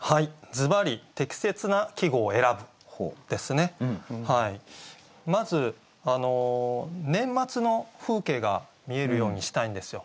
ズバリまず年末の風景が見えるようにしたいんですよ。